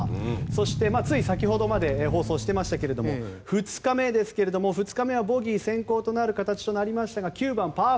そして、つい先ほどまで放送していましたけれども２日目はボギー先行となる形となりましたが９番、パー